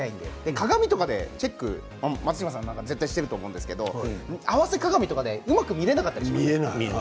鏡でチェック、松島さんなんかは絶対してると思うんですけど合わせ鏡とかでうまく塗れなかったりします。